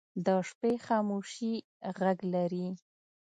د شپې خاموشي غږ لري